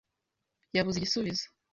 Yabuze igisubizo.